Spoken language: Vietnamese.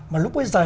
mà lúc bây giờ